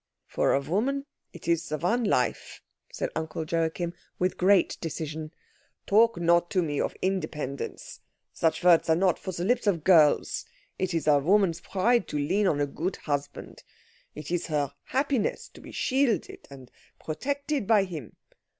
"For a woman it is the one life," said Uncle Joachim with great decision. "Talk not to me of independence. Such words are not for the lips of girls. It is a woman's pride to lean on a good husband. It is her happiness to be shielded and protected by him.